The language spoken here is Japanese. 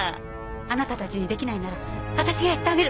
あなたたちにできないなら私がやってあげる。